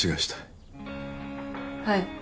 はい。